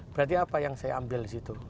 berarti apa yang saya ambil disitu